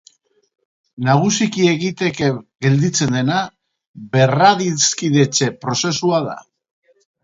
Nagusiki egiteke gelditzen dena berradiskidetze prozesua da.